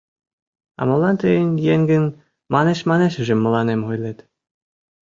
— А молан тый еҥын манеш-манешыжым мыланем ойлет?